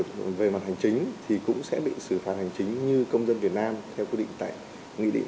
khả năng trả lời sẽ có thể bị xử phạt hành chính như công dân việt nam theo quy định tại nghị định